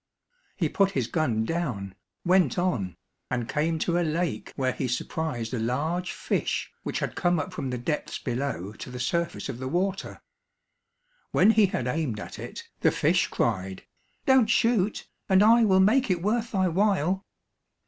He put his gun down, went on, and came to a lake where he surprised a large fish which had come up from the depths below to the surface of the water. When he had aimed at it, the fish cried, "Don't shoot, and I will make it worth thy while."